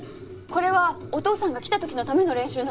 これはお義父さんが来た時のための練習なの？